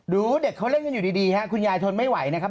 ดูเด็กเขาเล่นกันอยู่ดีครับคุณยายทนไม่ไหวนะครับ